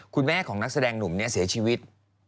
คุณแม่ของนักแสดงหนุ่มเนี่ยเสียชีวิต